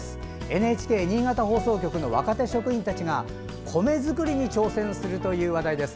ＮＨＫ新潟放送局の若手職員たちが米作りに挑戦するという話題です。